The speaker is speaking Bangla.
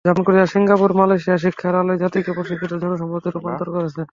জাপান, কোরিয়া, সিঙ্গাপুর, মালয়েশিয়া শিক্ষার আলোয় জাতিকে প্রশিক্ষিত জনসম্পদে রূপান্তর করেছে।